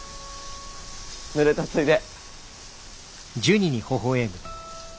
ぬれたついで。